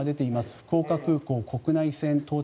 福岡空港国内線到着